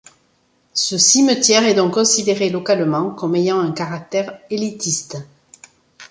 Ce cimetière est donc considéré localement comme ayant un caractère élitiste.